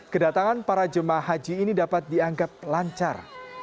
kedatangan para jemaah haji ini dapat dianggap lancar